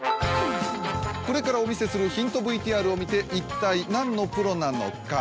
これからお見せするヒントＶＴＲを見て一体何のプロなのか